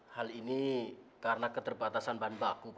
hal ini karena keterbatasan bahan baku